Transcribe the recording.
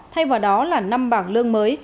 thay vào đó là năm bảng lương mới